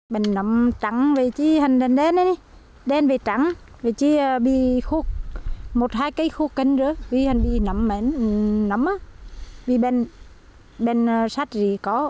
bệnh nấm trắng đen trắng bị khúc một hai cây khúc nấm bệnh sát rỉ có